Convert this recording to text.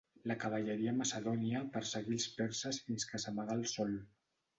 La cavalleria macedònia perseguí als perses fins que s'amagà el sol.